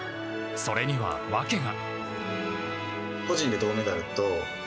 それには、訳が。